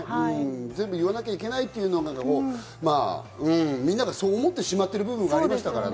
全部言わなきゃいけないっていうのを、みんながそう思ってしまっている部分もありましたからね。